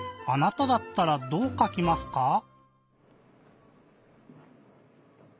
あなただったらどうかきますか？